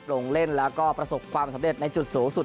ลงเล่นแล้วก็ประสบความสำเร็จในจุดสูงสุด